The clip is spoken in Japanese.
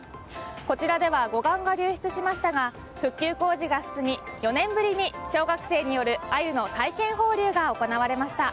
こちらでは護岸が流出しましたが復旧工事が進み４年ぶりに、小学生によるアユの体験放流が行われました。